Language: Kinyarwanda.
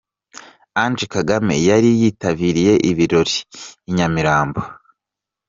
Ange Kagame yari yitabiriye ibirori i Nyamirambo.